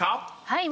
はい。